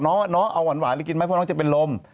น้องน้องเอาหวานหวานเลยกินไหมพวกน้องจะเป็นลม